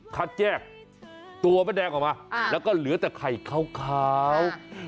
คัดแยกตัวมะแดงออกมาแล้วก็เหลือแต่ไข่ขาว